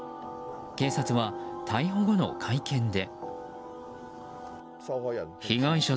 警察は、逮捕後の会見で。